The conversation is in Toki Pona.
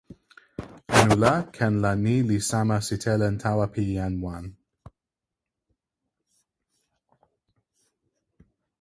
anu la, ken la ni li sama sitelen tawa pi jan wan.